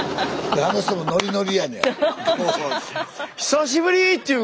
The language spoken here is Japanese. あの人もノリノリやねん。